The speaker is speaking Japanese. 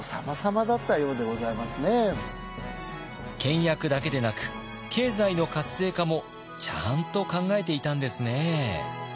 倹約だけでなく経済の活性化もちゃんと考えていたんですね。